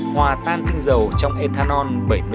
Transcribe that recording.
hòa tan tinh dầu trong ethanol bảy mươi năm